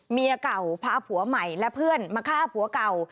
เมียเก่าพาผัวใหม่และเพื่อนมาฆ่าผัวเก่า